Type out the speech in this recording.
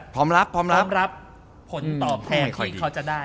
พร้อมรับพื้นตอบต่อมาที่เขาจะได้